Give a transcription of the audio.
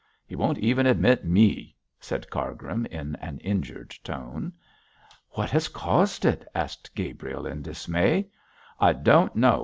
He won't even admit me,' said Cargrim, in an injured tone. 'What has caused it?' asked Gabriel, in dismay. 'I don't know!'